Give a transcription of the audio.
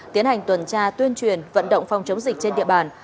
tiến hành tuần tra tuyên truyền vận động phòng chống dịch trên địa bàn